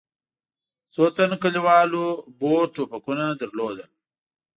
څو تنو کلیوالو بور ټوپکونه درلودل.